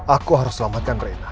aku harus selamatkan renah